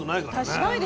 確かに。